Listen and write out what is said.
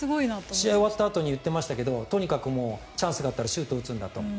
試合が終わったあとに言ってましたけどとにかくチャンスがあったらシュートを打つんだと。